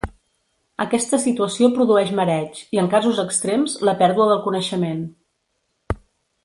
Aquesta situació produeix mareig i, en casos extrems, la pèrdua del coneixement.